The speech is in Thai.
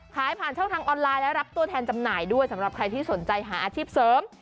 ขายผ่านช่องทางออนไลน์และรับตัวแทนจำหน่ายด้วยสำหรับใครที่สนใจหาอาชีพเสริม